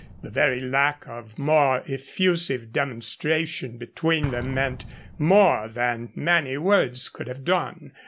The very lack of more effusive demonstration between them meant more than many words could have done.